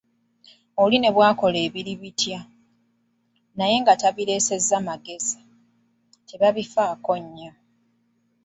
Oli ne bw'akola ebiri bitya, naye nga tabireesezza magezi, tebabifaako nnyo.